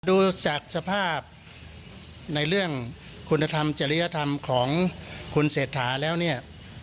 ดูจากสภาพในเรื่องคุณธรรมจริยธรรมของคุณเศรษฐาแล้วเนี่ย